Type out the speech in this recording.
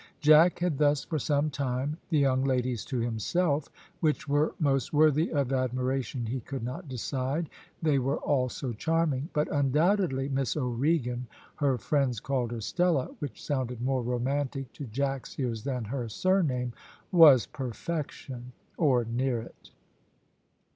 Jack had thus for some time the young ladies to himself; which were most worthy of admiration he could not decide they were all so charming; but undoubtedly Miss O'Regan her friends called her Stella which sounded more romantic to Jack's ears than her surname was perfection or near it.